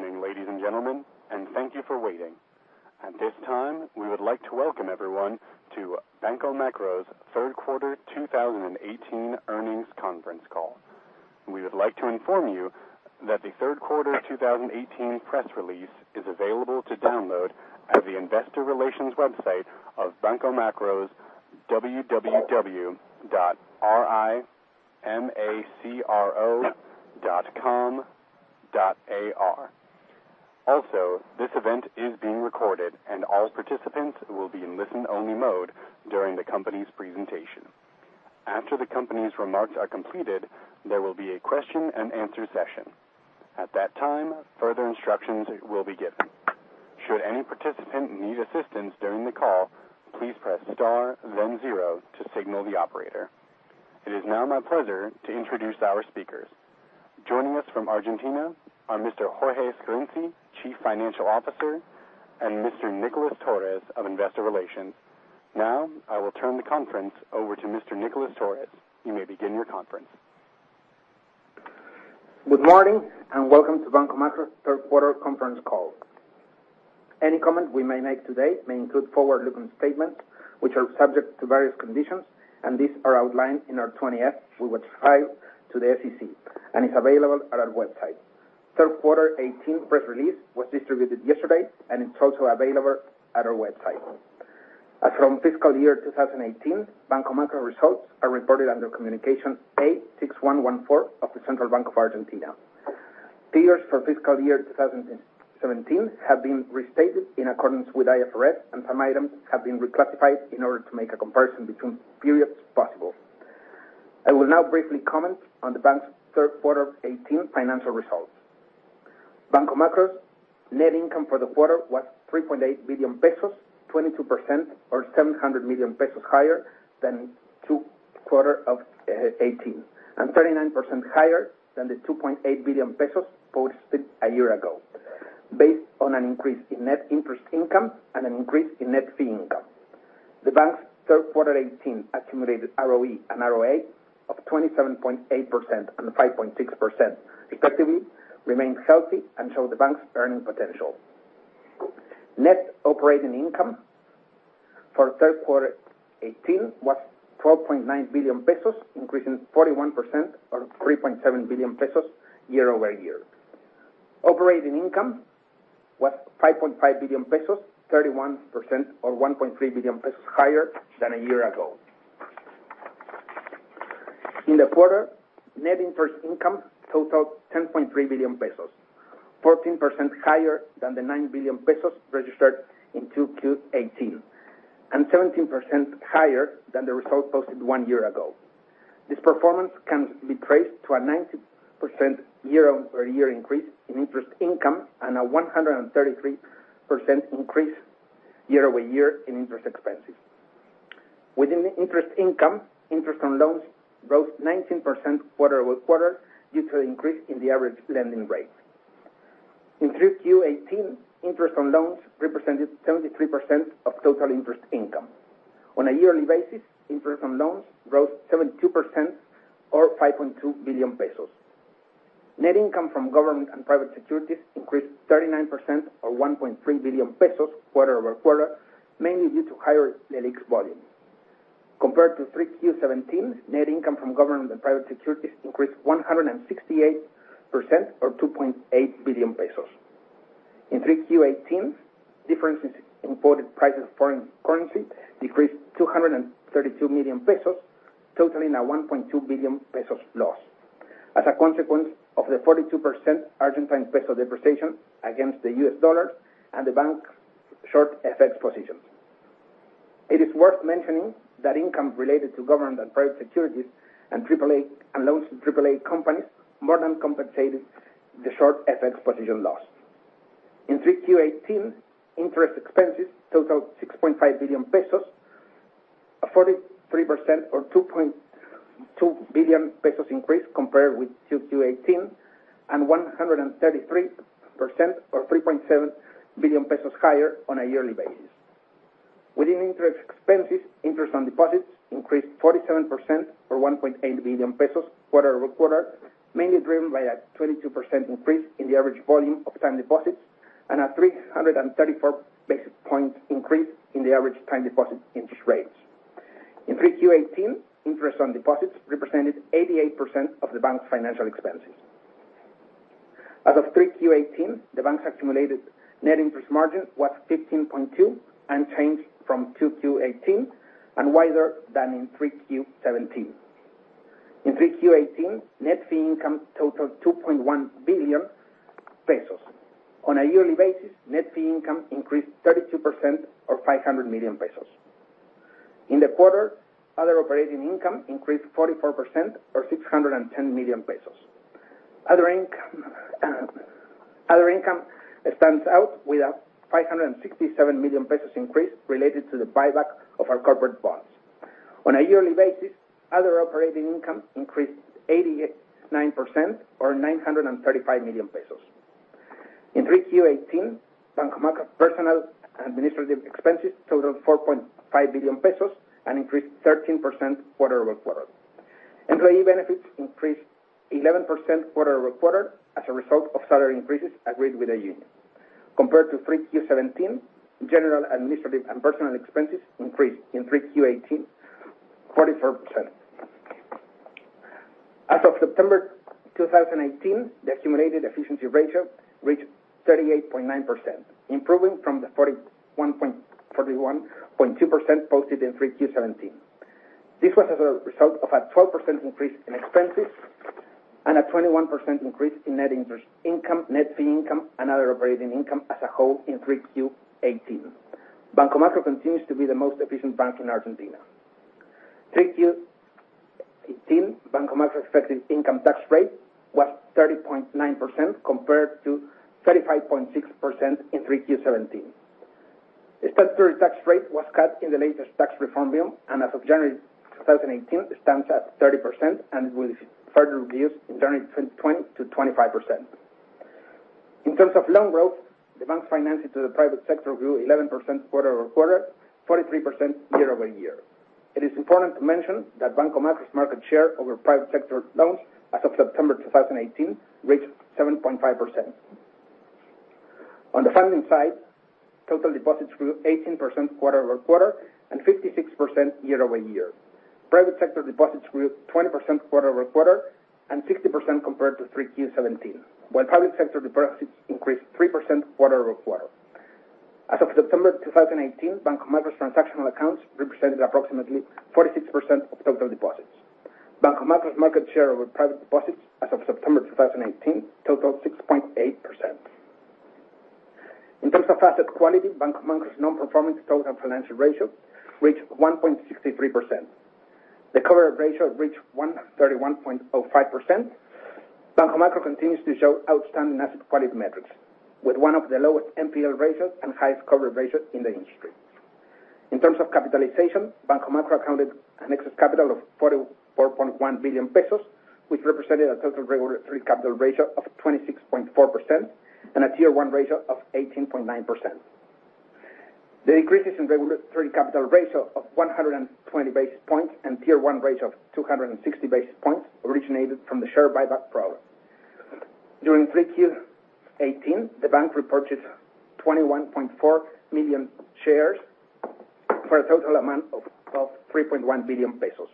Good morning, ladies and gentlemen, and thank you for waiting. At this time, we would like to welcome everyone to Banco Macro's third quarter 2018 earnings conference call. We would like to inform you that the third quarter 2018 press release is available to download at the investor relations website of Banco Macro's www.macro.com.ar. This event is being recorded, and all participants will be in listen-only mode during the company's presentation. After the company's remarks are completed, there will be a question and answer session. At that time, further instructions will be given. Should any participant need assistance during the call, please press star then zero to signal the operator. It is now my pleasure to introduce our speakers. Joining us from Argentina are Mr. Jorge Scarinci, Chief Financial Officer, and Mr. Nicolás Torres of Investor Relations. I will turn the conference over to Mr. Nicolás Torres. You may begin your conference. Good morning and welcome to Banco Macro's third quarter conference call. Any comment we may make today may include forward-looking statements, which are subject to various conditions, and these are outlined in our 20-F we would file to the SEC and is available at our website. Third quarter 2018 press release was distributed yesterday and is also available at our website. As from fiscal year 2018, Banco Macro results are reported under Communication A 6114 of the Central Bank of Argentina. Figures for fiscal year 2017 have been restated in accordance with IFRS, and some items have been reclassified in order to make a comparison between periods possible. I will now briefly comment on the bank's third quarter 2018 financial results. Banco Macro's net income for the quarter was 3.8 billion pesos, 22%, or 700 million pesos higher than Q2 2018, and 39% higher than the 2.8 billion pesos posted a year ago, based on an increase in net interest income and an increase in net fee income. The bank's third quarter 2018 accumulated ROE and ROA of 27.8% and 5.6%, respectively, remain healthy and show the bank's earning potential. Net operating income for third quarter 2018 was 12.9 billion pesos, increasing 41%, or 3.7 billion pesos year-over-year. Operating income was 5.5 billion pesos, 31%, or 1.3 billion pesos higher than a year ago. In the quarter, net interest income totaled 10.3 billion pesos, 14% higher than the 9 billion pesos registered in Q2 2018, and 17% higher than the result posted one year ago. This performance can be traced to a 19% year-over-year increase in interest income and a 133% increase year-over-year in interest expenses. Within interest income, interest on loans rose 19% quarter-over-quarter due to an increase in the average lending rate. In Q3 2018, interest on loans represented 73% of total interest income. On a yearly basis, interest on loans rose 72%, or 5.2 billion pesos. Net income from government and private securities increased 39%, or 1.3 billion pesos quarter-over-quarter, mainly due to higher Leliq volume. Compared to Q3 2017's, net income from government and private securities increased 168%, or 2.8 billion pesos. In Q3 2018, differences in foreign prices of foreign currency decreased 232 million pesos, totaling an 1.2 billion pesos loss. As a consequence of the 42% Argentine peso depreciation against the US dollar and the bank short FX positions. It is worth mentioning that income related to government and private securities and loans to AAA companies more than compensated the short FX position loss. In Q3 2018, interest expenses totaled 6.5 billion pesos, a 43%, or 2.2 billion pesos increase compared with Q2 2018, and 133%, or 3.7 billion pesos higher on a yearly basis. Within interest expenses, interest on deposits increased 47%, or 1.8 billion pesos quarter-over-quarter, mainly driven by a 22% increase in the average volume of time deposits and a 334 basic point increase in the average time deposit interest rates. In Q3 2018, interest on deposits represented 88% of the bank's financial expenses. As of Q3 2018, the bank's accumulated net interest margin was 15.2%, unchanged from Q2 2018, and wider than in Q3 2017. In Q3 2018, net fee income totaled 2.1 billion pesos. On a yearly basis, net fee income increased 32%, or 500 million pesos. In the quarter, other operating income increased 44%, or 610 million pesos. Other income stands out with an 567 million pesos increase related to the buyback of our corporate bonds. On a yearly basis, other operating income increased 89%, or ARS 935 million. In Q3 2018, Banco Macro personnel administrative expenses totaled 4.5 billion pesos and increased 13% quarter-over-quarter. Employee benefits increased 11% quarter-over-quarter as a result of salary increases agreed with the union. Compared to 3Q 2017, general administrative and personnel expenses increased in 3Q 2018, 44%. As of September 2018, the accumulated efficiency ratio reached 38.9%, improving from the 41.2% posted in 3Q 2017. This was as a result of a 12% increase in expenses and a 21% increase in net interest income, net fee income, and other operating income as a whole in 3Q 2018. Banco Macro continues to be the most efficient bank in Argentina. 3Q 2018, Banco Macro expected income tax rate was 30.9% compared to 35.6% in 3Q 2017. Expected tax rate was cut in the latest tax reform bill, and as of January 2018, it stands at 30% and will further reduce in January 2020 to 25%. In terms of loan growth, the bank financing to the private sector grew 11% quarter-over-quarter, 43% year-over-year. It is important to mention that Banco Macro's market share over private sector loans as of September 2018 reached 7.5%. On the funding side, total deposits grew 18% quarter-over-quarter and 56% year-over-year. Private sector deposits grew 20% quarter-over-quarter and 60% compared to 3Q 2017, while public sector deposits increased 3% quarter-over-quarter. As of September 2018, Banco Macro's transactional accounts represented approximately 46% of total deposits. Banco Macro's market share over private deposits as of September 2018 totaled 6.8%. In terms of asset quality, Banco Macro's non-performing total financial ratio reached 1.63%. The coverage ratio reached 131.05%. Banco Macro continues to show outstanding asset quality metrics, with one of the lowest NPL ratios and highest coverage ratios in the industry. In terms of capitalization, Banco Macro accounted an excess capital of 44.1 billion pesos, which represented a total regulatory capital ratio of 26.4% and a Tier 1 ratio of 18.9%. The increases in regulatory capital ratio of 120 basis points and Tier 1 ratio of 260 basis points originated from the share buyback program. During 3Q 2018, the bank repurchased 21.4 million shares for a total amount of 3.1 billion pesos.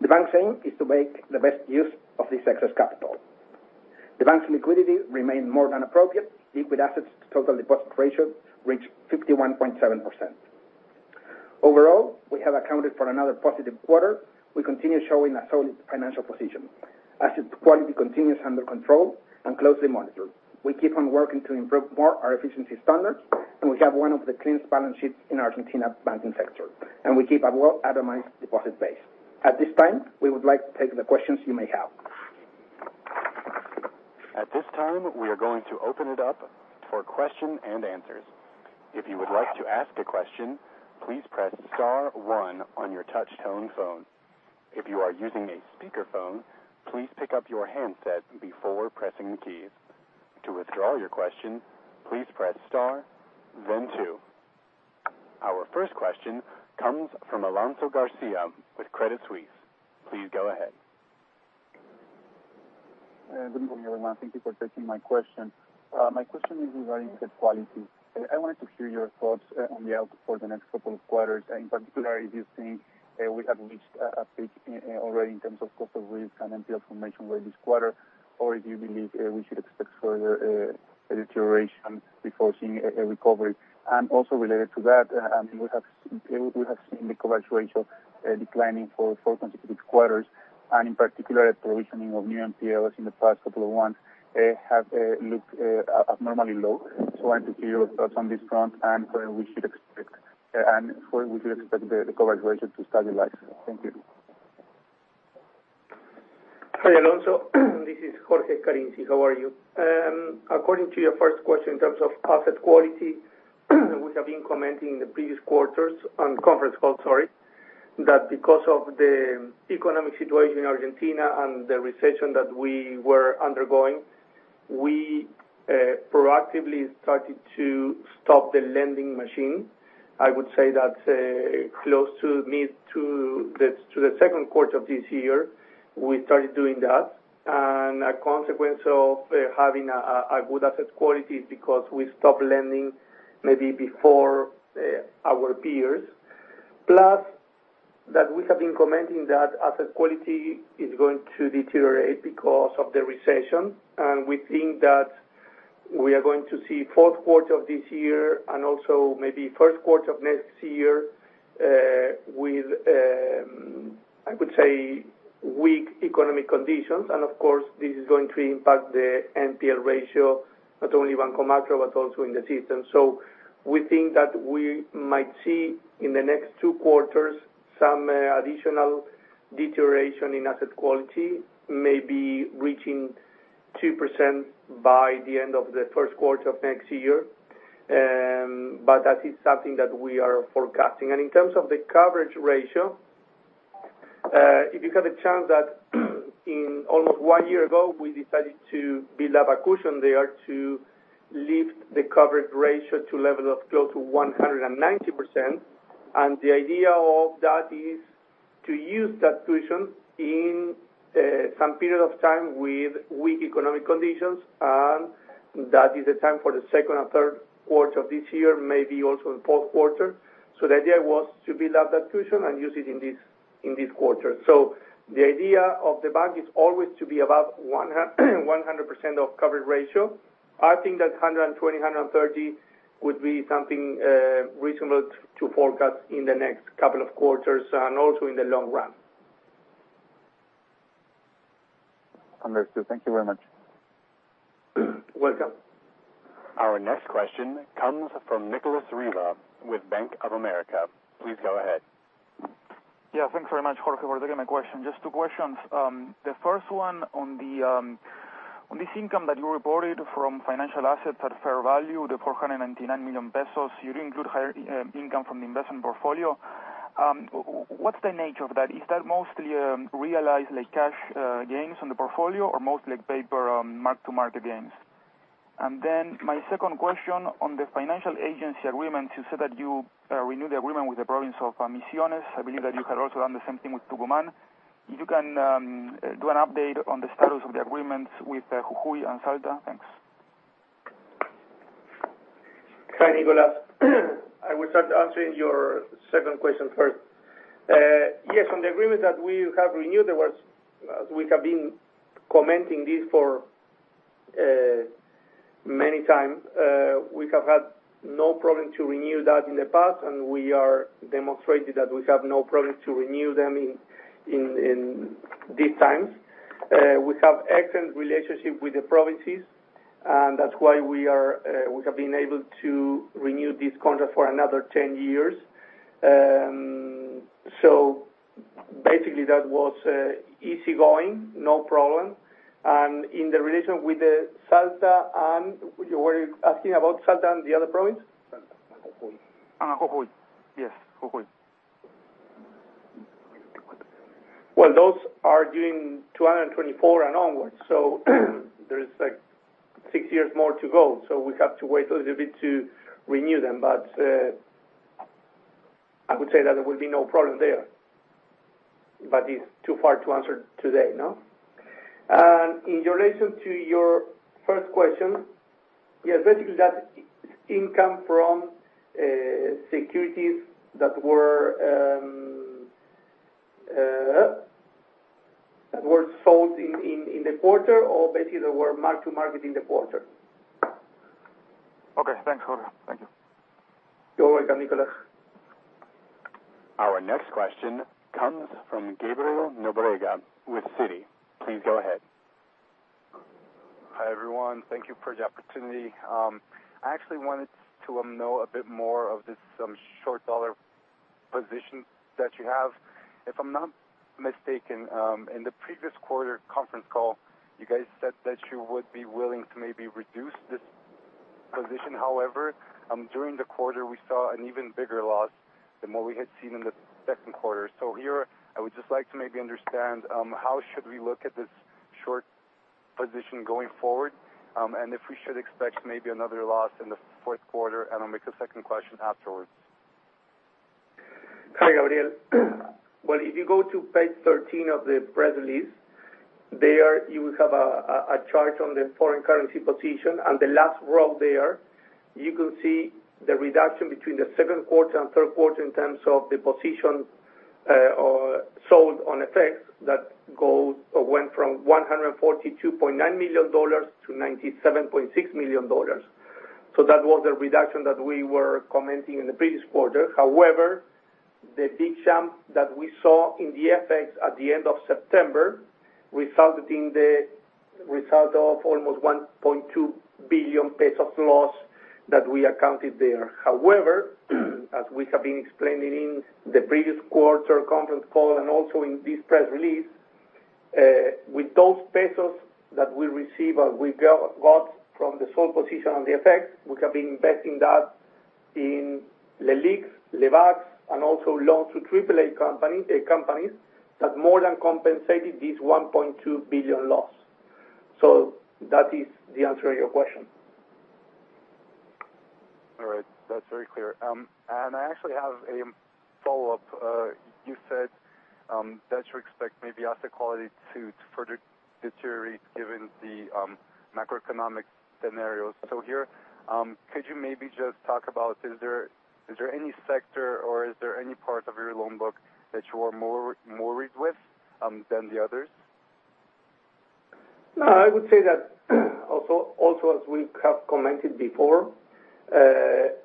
The bank's aim is to make the best use of this excess capital. The bank's liquidity remained more than appropriate. Liquid assets to total deposit ratio reached 51.7%. Overall, we have accounted for another positive quarter. We continue showing a solid financial position. Asset quality continues under control and closely monitored. We keep on working to improve more our efficiency standards. We have one of the cleanest balance sheets in Argentina banking sector. We keep a well-itemized deposit base. At this time, we would like to take the questions you may have. At this time, we are going to open it up for question and answers. If you would like to ask a question, please press star one on your touch tone phone. If you are using a speakerphone, please pick up your handset before pressing the keys. To withdraw your question, please press star, then two. Our first question comes from Alonso Garcia with Credit Suisse. Please go ahead. Good morning, everyone. Thank you for taking my question. My question is regarding asset quality. I wanted to hear your thoughts on the outlook for the next couple of quarters. In particular, if you think we have reached a peak already in terms of cost of risk and NPL formation rate this quarter, or if you believe we should expect further deterioration before seeing a recovery. Also related to that, we have seen the coverage ratio declining for four consecutive quarters. In particular, provisioning of new NPLs in the past couple of months have looked abnormally low. I want to hear your thoughts on this front and when we should expect the coverage ratio to stabilize. Thank you. Hi, Alonso. This is Jorge Scarinci. How are you? According to your first question, in terms of asset quality, we have been commenting in the previous quarters, on conference calls, sorry, that because of the economic situation in Argentina and the recession that we were undergoing, we proactively started to stop the lending machine. I would say that close to the second quarter of this year, we started doing that. A consequence of having a good asset quality is because we stopped lending maybe before our peers. Plus, that we have been commenting that asset quality is going to deteriorate because of the recession. We think that we are going to see fourth quarter of this year and also maybe first quarter of next year, with, I would say, weak economic conditions. Of course, this is going to impact the NPL ratio, not only Banco Macro, but also in the system. We think that we might see in the next two quarters, some additional deterioration in asset quality, maybe reaching 2% by the end of the first quarter of next year. That is something that we are forecasting. In terms of the coverage ratio, if you have a chance that in almost one year ago, we decided to build up a cushion there to Lift the coverage ratio to level of close to 190%. The idea of that is to use that cushion in some period of time with weak economic conditions, and that is the time for the second and third quarter of this year, maybe also the fourth quarter. The idea was to build up that cushion and use it in this quarter. The idea of the bank is always to be above 100% of coverage ratio. I think that 120%, 130% would be something reasonable to forecast in the next couple of quarters, and also in the long run. Understood. Thank you very much. You're welcome. Our next question comes from Nicolas Riva with Bank of America. Please go ahead. Thanks very much, Jorge, for taking my question. Just two questions. The first one on this income that you reported from financial assets at fair value, the 499 million pesos, you include higher income from the investment portfolio. What's the nature of that? Is that mostly realized like cash gains on the portfolio or mostly paper mark-to-market gains? My second question on the financial agency agreement, you said that you renew the agreement with the province of Misiones. I believe that you had also done the same thing with Tucumán. If you can do an update on the status of the agreements with Jujuy and Salta. Thanks. Hi, Nicolas. I will start answering your second question first. On the agreement that we have renewed, we have been commenting this for many times. We have had no problem to renew that in the past, and we are demonstrating that we have no problem to renew them in this time. We have excellent relationship with the provinces. That's why we have been able to renew this contract for another 10 years. Basically, that was easygoing, no problem. In the relation with Salta, you were asking about Salta and the other province? Salta and Jujuy. Yes, Jujuy. Well, those are due in 2024 and onwards, so there is six years more to go. We have to wait a little bit to renew them. I would say that there will be no problem there. It's too far to answer today, no? In relation to your first question, yes, basically, that income from securities that were sold in the quarter, or basically, they were mark-to-market in the quarter. Okay. Thanks, Jorge. Thank you. You're welcome, Nicolas. Our next question comes from Gabriel Nóbrega with Citi. Please go ahead. Hi, everyone. Thank you for the opportunity. I actually wanted to know a bit more of this short dollar position that you have. If I'm not mistaken, in the previous quarter conference call, you guys said that you would be willing to maybe reduce this position. During the quarter, we saw an even bigger loss than what we had seen in the second quarter. Here, I would just like to maybe understand how should we look at this short position going forward, and if we should expect maybe another loss in the fourth quarter. I'll make a second question afterwards. Hi, Gabriel. Well, if you go to page 13 of the press release, there you have a chart on the foreign currency position, and the last row there, you can see the reduction between the second quarter and third quarter in terms of the position sold on FX that went from $142.9 million-$97.6 million. That was the reduction that we were commenting in the previous quarter. The big jump that we saw in the FX at the end of September, resulted in the result of almost 1.2 billion pesos loss that we accounted there. As we have been explaining in the previous quarter conference call and also in this press release, with those pesos that we received or we got from the sold position on the FX, we have been investing that in Leliq, Lebac, and also loans to triple A companies that more than compensated this 1.2 billion loss. That is the answer to your question. All right. That's very clear. I actually have a follow-up. You said that you expect maybe asset quality to further deteriorate given the macroeconomic scenarios. Here, could you maybe just talk about, is there any sector or is there any part of your loan book that you are more worried with than the others? No, I would say that also, as we have commented before,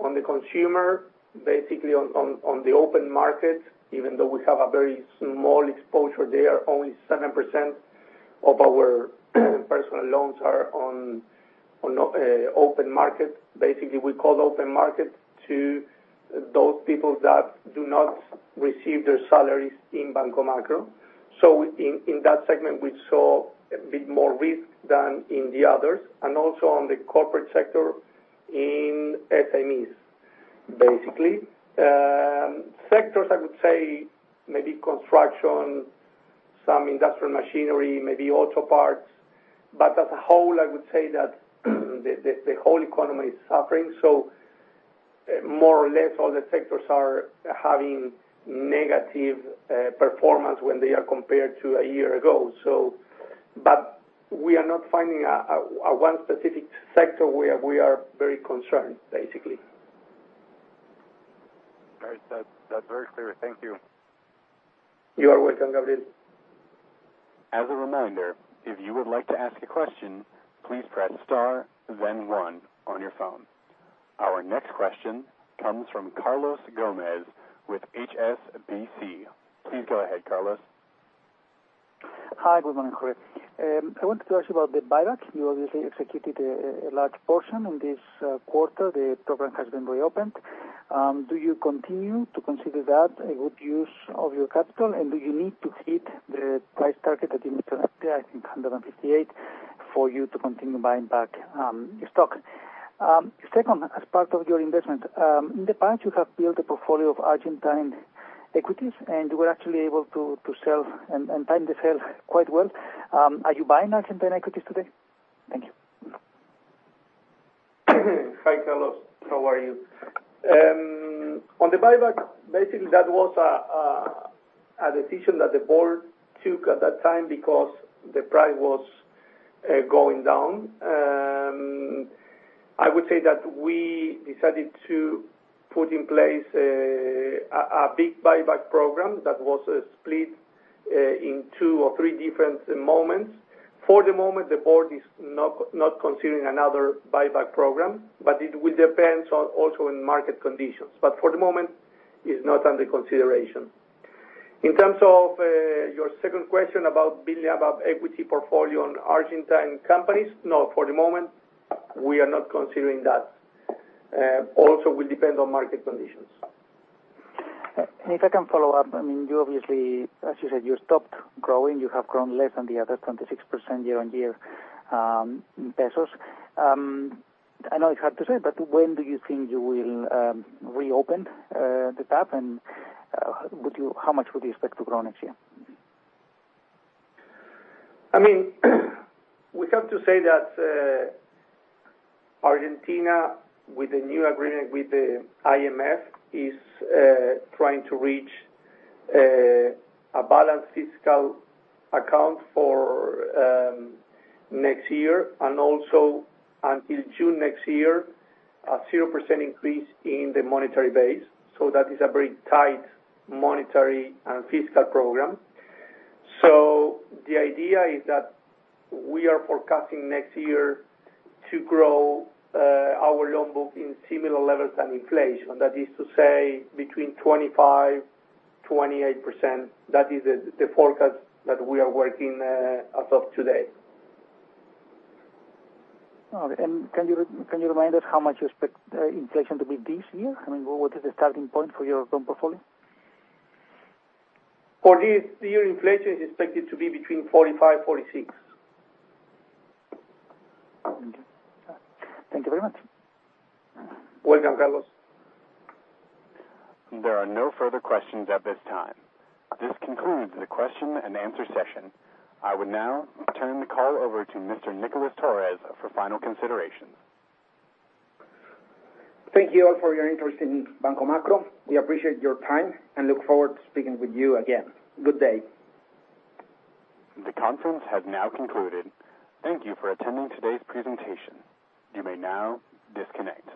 on the consumer, basically on the open market, even though we have a very small exposure there, only 7% of our personal loans are on open market. Basically, we call open market to those people that do not receive their salaries in Banco Macro. In that segment, we saw a bit more risk than in the others, and also on the corporate sector in SMEs. Basically, sectors, I would say maybe construction, some industrial machinery, maybe auto parts, but as a whole, I would say that the whole economy is suffering. More or less, all the sectors are having negative performance when they are compared to a year ago. We are not finding one specific sector where we are very concerned, basically. All right, that's very clear. Thank you. You are welcome, Gabriel. As a reminder, if you would like to ask a question, please press star then one on your phone. Our next question comes from Carlos Gomez-Lopez with HSBC. Please go ahead, Carlos. Hi, good morning, Jorge. I wanted to ask you about the buyback. You obviously executed a large portion in this quarter. The program has been reopened. Do you continue to consider that a good use of your capital, do you need to hit the price target that you mentioned earlier, I think 158, for you to continue buying back your stock? Second, as part of your investment, in the past, you have built a portfolio of Argentine equities, and you were actually able to sell and time the sale quite well. Are you buying Argentine equities today? Thank you. Hi, Carlos. How are you? On the buyback, basically that was a decision that the board took at that time because the price was going down. I would say that we decided to put in place a big buyback program that was split in two or three different moments. For the moment, the board is not considering another buyback program. It will depend also on market conditions. For the moment, it's not under consideration. In terms of your second question about building up equity portfolio on Argentine companies, no, for the moment, we are not considering that. It will depend on market conditions. If I can follow up, you obviously, as you said, you stopped growing. You have grown less than the other 26% year-on-year in pesos. I know it's hard to say. When do you think you will reopen the tap, and how much would you expect to grow next year? We have to say that Argentina, with the new agreement with the IMF, is trying to reach a balanced fiscal account for next year and also until June next year, a 0% increase in the monetary base. That is a very tight monetary and fiscal program. The idea is that we are forecasting next year to grow our loan book in similar levels than inflation. That is to say, between 25%-28%. That is the forecast that we are working as of today. Okay, can you remind us how much you expect inflation to be this year? What is the starting point for your loan portfolio? For this year, inflation is expected to be between 45%-46%. Okay. Thank you very much. Welcome, Carlos. There are no further questions at this time. This concludes the question and answer session. I would now turn the call over to Mr. Nicolás Torres for final considerations. Thank you all for your interest in Banco Macro. We appreciate your time and look forward to speaking with you again. Good day. The conference has now concluded. Thank you for attending today's presentation. You may now disconnect.